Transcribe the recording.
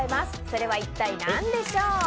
それは一体何でしょう？